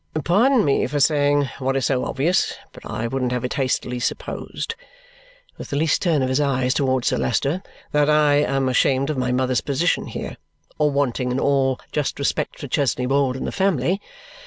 "Pardon me for saying what is so obvious, but I wouldn't have it hastily supposed," with the least turn of his eyes towards Sir Leicester, "that I am ashamed of my mother's position here, or wanting in all just respect for Chesney Wold and the family.